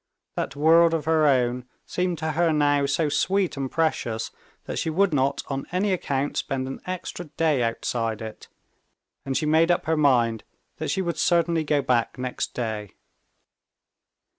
That world of her own seemed to her now so sweet and precious that she would not on any account spend an extra day outside it, and she made up her mind that she would certainly go back next day.